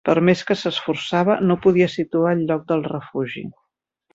Per més que s'esforçava, no podia situar el lloc del refugi.